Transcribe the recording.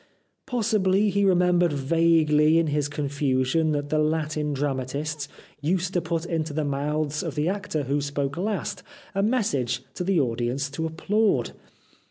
Pos sibly he remembered vaguely in his confusion that the Latin dramatists used to put into the mouths of the actor who spoke last a message to the audience to applaud.